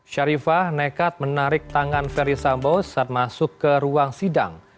sharifah nekat menarik tangan ferry sambo saat masuk ke ruang sidang